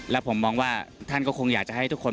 และผมมองว่าท่านก็คงอยากจะให้ทุกคน